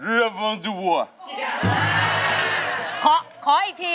อีกที